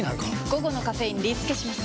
午後のカフェインリスケします！